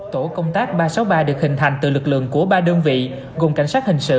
tổ công tác ba trăm sáu mươi ba được hình thành từ lực lượng của ba đơn vị gồm cảnh sát hình sự